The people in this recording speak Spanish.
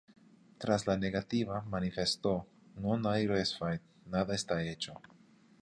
Tras la negativa manifestó: "Non ay res fait", "nada está hecho".